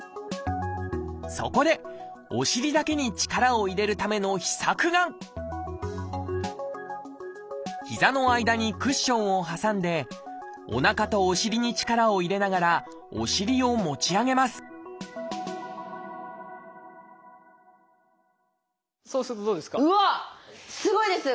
そこでお尻だけに力を入れるための秘策が膝の間にクッションを挟んでおなかとお尻に力を入れながらお尻を持ち上げますそうするとどうですか？